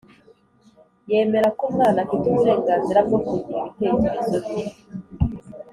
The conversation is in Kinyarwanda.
Yemera ko umwana afite uburenganzira bwo kugira ibitekerezo bye